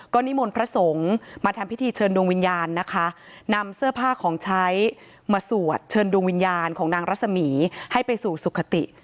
นิมนต์พระสงฆ์มาทำพิธีเชิญดวงวิญญาณนะคะนำเสื้อผ้าของใช้มาสวดเชิญดวงวิญญาณของนางรัศมีให้ไปสู่สุขติ